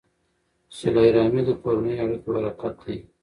صله رحمي د کورنیو اړیکو برکت دی.